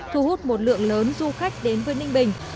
thu hút một lượng lớn du khách đến với ninh bình